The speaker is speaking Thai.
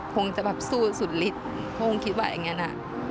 คงจะแบบสู้สุดฤทธิ์เขาคงคิดว่าอย่างนี้นะ